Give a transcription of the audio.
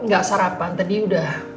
gak sarapan tadi udah